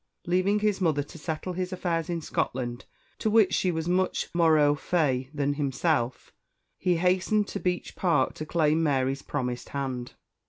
Leaving his mother to settle his affairs in Scotland, to which she was much more au fait than himself, he hastened to Beech Park to claim Mary's promised hand.